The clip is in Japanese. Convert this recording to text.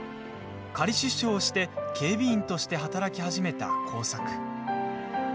仮出所をして、警備員として働き始めた耕作。